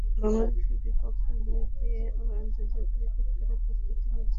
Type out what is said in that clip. বাংলাদেশের বিপক্ষে ম্যাচ দিয়েই আবার আন্তর্জাতিক ক্রিকেটে ফেরার প্রস্তুতি নিচ্ছেন মাইকেল ক্লার্ক।